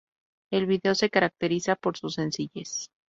El vídeo se caracteriza por su sencillez.